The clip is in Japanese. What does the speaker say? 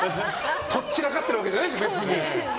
とっちらかってるわけじゃないし別に。